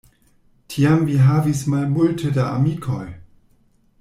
Tiam vi havis malmulte da amikoj?